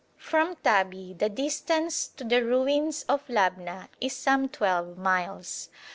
From Tabi the distance to the ruins of Labna is some twelve miles.